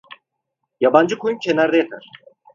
Yabancı koyun kenarda yatar.